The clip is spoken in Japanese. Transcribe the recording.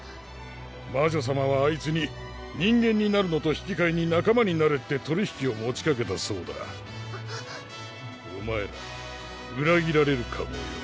魔女さまはあいつに人間になるのと引きかえに仲間になれって取り引きを持ちかけたそうだお前らうらぎられるかもよ？